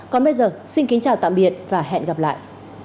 còn bây giờ xin kính chào tạm biệt và hẹn gặp lại